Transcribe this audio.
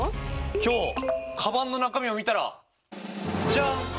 今日かばんの中身を見たらジャン！